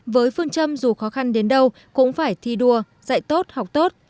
với phương châm dù khó khăn đến đâu cũng phải thi đua dạy tốt học tốt